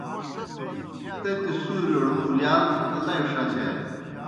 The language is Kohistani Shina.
تتیْ سُورِیؤڑ اُلِیال لئی ݜچانیْ۔